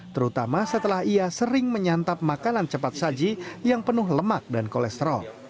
terutama setelah ia sering menyantap makanan cepat saji yang penuh lemak dan kolesterol